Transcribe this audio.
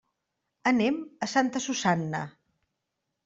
Anem a Santa Susanna.